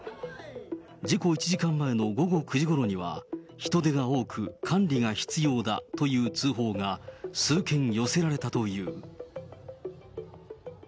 事故１時間前の午後９時ごろには、人出が多く、管理が必要だという通報が数件寄せられたという。